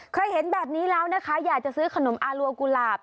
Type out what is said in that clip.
เห็นแบบนี้แล้วนะคะอยากจะซื้อขนมอารัวกุหลาบ